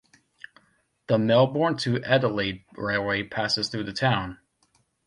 The Melbourne to Adelaide railway passes through the town.